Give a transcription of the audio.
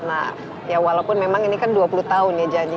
nah ya walaupun memang ini kan dua puluh tahun ya janji